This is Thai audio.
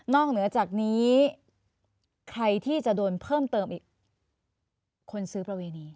เหนือจากนี้ใครที่จะโดนเพิ่มเติมอีกคนซื้อประเวณี